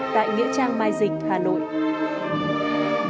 tại nghĩa trang mai dịch hà nội